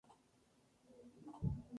The Lao.